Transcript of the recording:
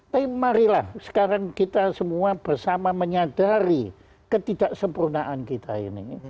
tapi marilah sekarang kita semua bersama menyadari ketidaksempurnaan kita ini